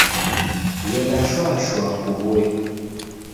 Ghenda shwa shwa kuw'uye